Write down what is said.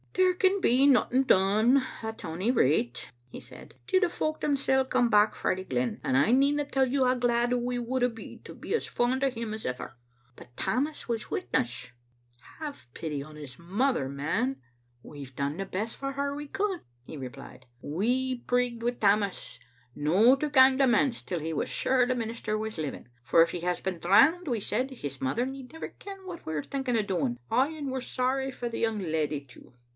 "There can be nothing done, at ony rate," he said, " till the folk themsel's come back frae the glen ; and I needna tell you how glad we would a' be to be as fond o' him as ever. But Tammas was witness," " Have pity on his mother, man," Digitized by VjOOQ IC Defence ot tbe Aanae. 821 "We've done the best for her we could," he replied. ••We prigged wi' Tammas no to gang to the manse till we was sure the minister was living. *For if he has been drowned,* we said, *his mother need never ken what we were thinking o' doing. ' Ay, and we're sorry for the yotmg leddy, too.